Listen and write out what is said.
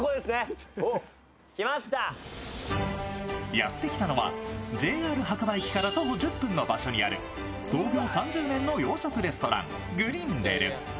やってきたのはＪＲ白馬駅から徒歩１０分の場所にある創業３０年の洋食レストラン、グリンデル。